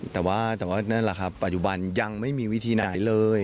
แต่ว่าแต่ว่านั่นแหละครับปัจจุบันยังไม่มีวิธีไหนเลย